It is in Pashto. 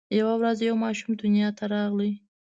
یوه ورځ یو ماشوم دنیا ته راغی.